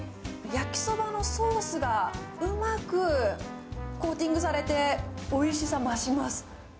焼きそばのソースがうまくコーティングされて、おいしさ増します。